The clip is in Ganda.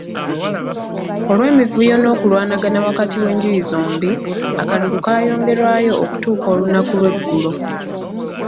Olw'emivuyo n'okulwanagana wakati w'enjuyi zombi, akalulu kaayongerwayo okutuuka olunaku lw'eggulo.